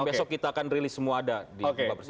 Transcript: besok kita akan rilis semua ada di bupak persidangan